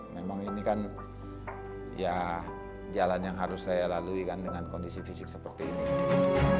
memang ini kan ya jalan yang harus saya lalui kan dengan kondisi fisik seperti ini